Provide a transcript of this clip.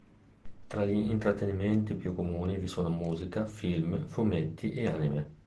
Tra gli intrattenimenti più comuni vi sono musica, film, fumetti e anime.